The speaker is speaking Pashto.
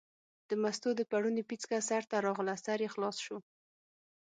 د مستو د پړوني پیڅکه سر ته راغله، سر یې خلاص شو.